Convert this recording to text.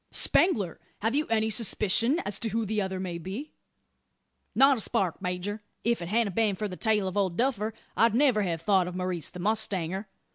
"Spangler! have you any suspicion as to who the other may be?" "Not a spark, major. If't hadn't been for the tale of Old Duffer I'd never have thought of Maurice the mustanger.